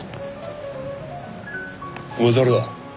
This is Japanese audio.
お前誰だ？